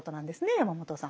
山本さん。